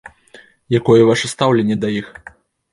Якое ваша стаўленне да іх?